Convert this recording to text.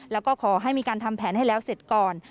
แล้วก็ขอให้มีการทำแผนให้แล้วเสร็จก่อน